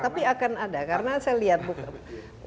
tapi akan ada karena saya lihat bukan